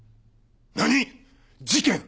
何？事件！？